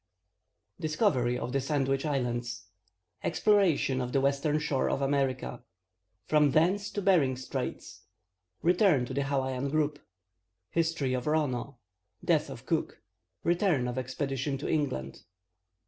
Discovery of the Sandwich Islands Exploration of the Western shore of America From thence to Behring Straits Return to the Hawain Group History of Rono Death of Cook Return of the Expedition to England.